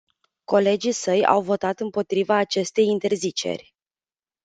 Colegii săi au votat împotriva acestei interziceri.